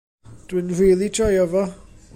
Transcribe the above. Dw i'n rili joio fo.